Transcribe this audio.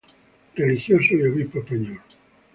Religioso y obispo español.